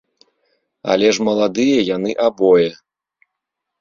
Але ж маладыя яны абое.